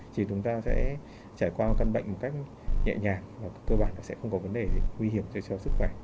thì chúng ta sẽ trải qua căn bệnh một cách nhẹ nhàng và cơ bản là sẽ không có vấn đề nguy hiểm cho sức khỏe